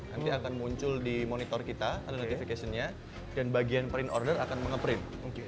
nanti akan muncul di monitor kita ada notification nya dan bagian print order akan menge print